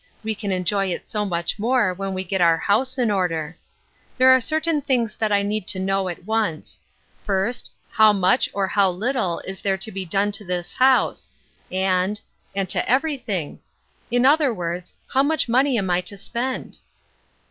We can enjoy it so much more when we get our house in order. There are certain things that I need to know at once. First, how much or how little is there to be done to this house, and — and to every thing ? In other words, how much money am I to spend?"